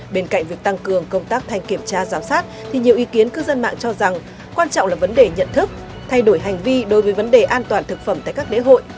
bên cạnh việc tăng cường công tác thanh kiểm tra giám sát thì nhiều ý kiến cư dân mạng cho rằng quan trọng là vấn đề nhận thức thay đổi hành vi đối với vấn đề an toàn thực phẩm tại các lễ hội